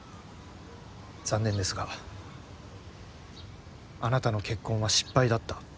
残念ですがあなたの結婚は失敗だった。